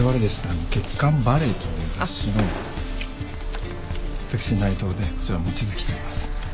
あの『月刊バレエ』という雑誌の私内藤でこちら望月といいます。